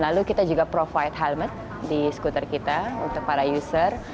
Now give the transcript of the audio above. lalu kita juga provide helmet di skuter kita untuk para user